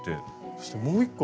そしてもう１個。